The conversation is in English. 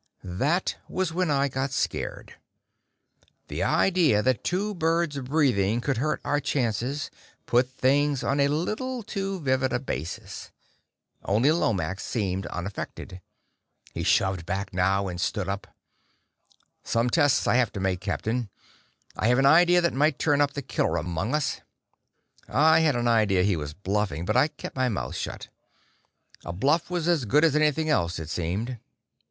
That was when I got scared. The idea that two birds breathing could hurt our chances put things on a little too vivid a basis. Only Lomax seemed unaffected. He shoved back now, and stood up. "Some tests I have to make, Captain. I have an idea that might turn up the killer among us!" I had an idea he was bluffing, but I kept my mouth shut. A bluff was as good as anything else, it seemed.